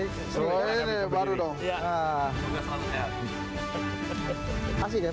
oh ini baru dong